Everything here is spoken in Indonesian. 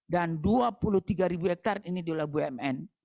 dan dua puluh tiga hektare ini adalah bumn